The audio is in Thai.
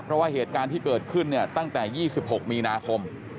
เพราะว่าเหตุการณ์ที่เกิดขึ้นเนี่ยตั้งแต่๒๖มีนาคม